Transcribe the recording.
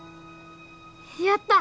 やった！